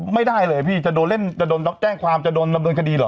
ไม่ได้เลยพี่จะโดนเล่นจะโดนแจ้งความจะโดนดำเนินคดีเหรอ